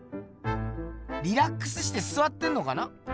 リラックスしてすわってんのかな？